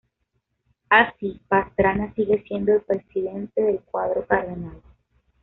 Así, Pastrana sigue siendo el presidente del cuadro cardenal.